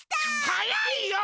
はやいよ！